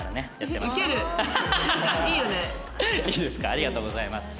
ありがとうございます。